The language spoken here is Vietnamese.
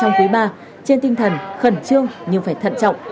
và đồng loạt triển khai trong quý ba trên tinh thần khẩn trương nhưng phải thận trọng